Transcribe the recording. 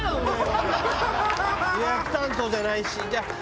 「予約担当じゃないし」。